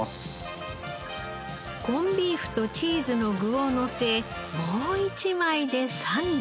コンビーフとチーズの具をのせもう１枚でサンド。